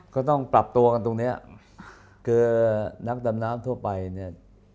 ก็ต้องปรับตัวกันตรงเนี้ยคือนักดำน้ำทั่วไปเนี่ย